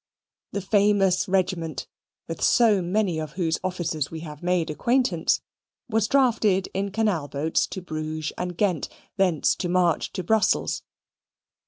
The famous regiment, with so many of whose officers we have made acquaintance, was drafted in canal boats to Bruges and Ghent, thence to march to Brussels.